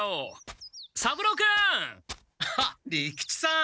あっ利吉さん！